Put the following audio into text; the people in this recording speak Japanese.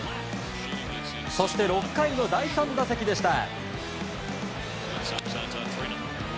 そして、６回の第３打席でした。